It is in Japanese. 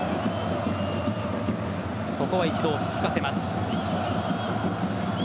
ここは一度、落ち着かせます。